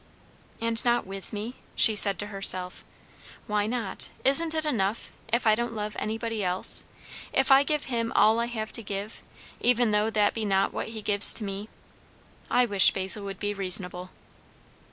And not with me? she said to herself. Why not? Isn't it enough, if I don't love anybody else? if I give him all I have to give? even though that be not what he gives to me. I wish Basil would be reasonable.